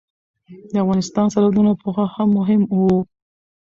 د افغانستان سرحدونه پخوا هم مهم وو.